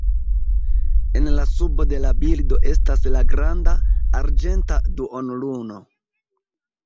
En la subo de la bildo estas la granda, arĝenta duonluno.